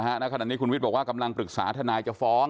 แล้วสำหรับนี้คุณวิทย์บอกว่ากำลังปรึกษาทางนายจะฟ้อง